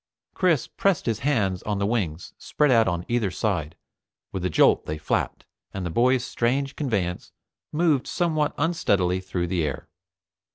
Chris pressed his hands on the wings spread out on either side, with a jolt they flapped, and the boy's strange conveyance moved somewhat unsteadily through the air.